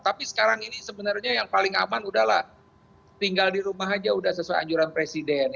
tapi sekarang ini sebenarnya yang paling aman udahlah tinggal di rumah aja udah sesuai anjuran presiden